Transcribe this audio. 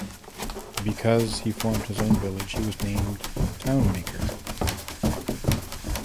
Because he formed his own village he was named Town Maker.